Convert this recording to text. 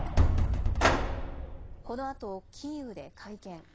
このあとキーウで会見。